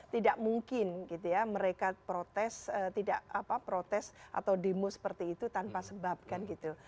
tidak mungkin gitu ya mereka protes tidak apa protes atau demo seperti itu tanpa sebab kan gitu